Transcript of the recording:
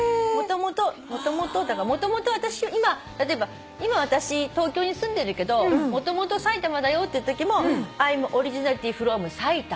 もともと私今例えば今私東京に住んでるけどもともと埼玉だよっていうときも「アイムオリジナリティーフロムサイタマ」って言ったり。